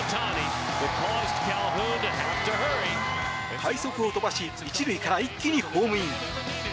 快足を飛ばし１塁から一気にホームイン。